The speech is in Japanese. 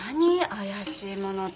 怪しいものって。